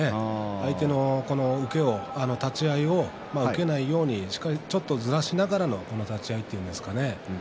相手の立ち合いを受けないようにしっかり、ずらしながらの立ち合いというんですかね